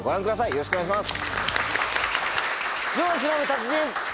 よろしくお願いします。